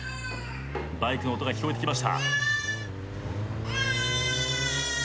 バイクの音が聞こえてきました。